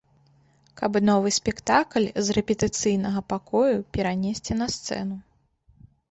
Каб новы спектакль з рэпетыцыйнага пакоя перанесці на сцэну.